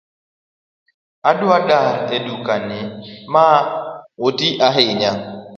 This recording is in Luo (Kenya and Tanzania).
Adwa dar e duka ni , Mae otii ahinya